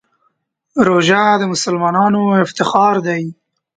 روژه د مسلمانانو افتخار دی.